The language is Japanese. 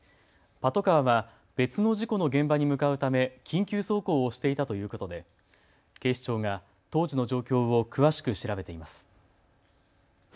パトカーは別の事故の現場に向かうため緊急走行をしていたということで警視庁が当時の状況を詳しく調べています。